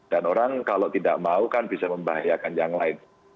dan orang kalau tidak mau kan bisa membahayakan yang lain